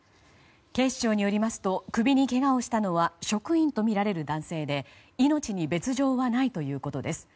警視庁によりますと首にけがをしたのは職員とみられる男性で命に別条はないということです。